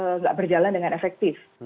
tidak berjalan dengan efektif